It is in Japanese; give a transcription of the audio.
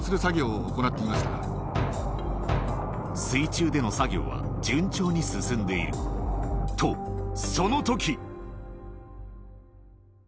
水中での作業は順調に進んでいるとその時！